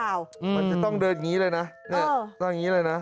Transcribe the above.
มันจะต้องเดินอย่างนี้เลยนะต้องอย่างนี้เลยนะ